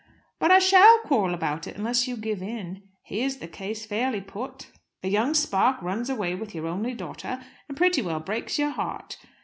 "But I shall quarrel about it, unless you give in. Here's the case fairly put: A young spark runs away with your only daughter, and pretty well breaks your heart.